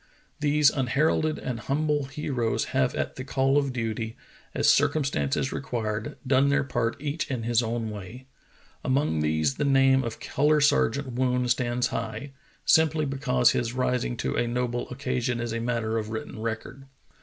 These unheralded and humble heroes have at the call of duty, as circumstances required, done their part each in his own way. Among these the name of Color Sergeant Woon stands high, simply because his rising to a noble occasion is a matter of written record.